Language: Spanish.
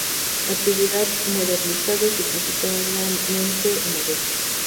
Actividad modernizado significativamente en agosto.